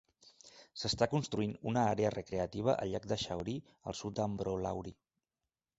S'està construint una àrea recreativa al llac de Shaori, al sud d'Ambrolauri.